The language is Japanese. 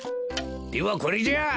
ではこれじゃ。